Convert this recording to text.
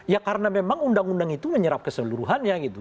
ya karena memang undang undang itu menyerap keseluruhannya gitu